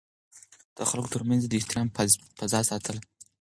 د خلکو ترمنځ يې د احترام فضا ساتله.